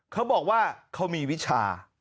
เขาบอกว่าเขามีวิชา